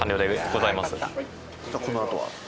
このあとは。